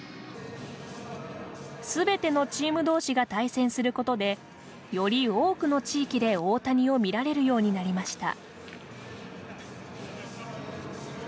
全てのチーム同士が対戦することでより多くの地域で、大谷を見られるようになりました。